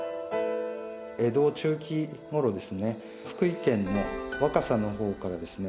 江戸中期ごろですね福井県の若狭のほうからですね